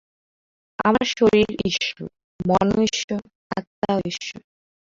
আমার শরীর ঈশ্বর, মনও ঈশ্বর, আত্মাও ঈশ্বর।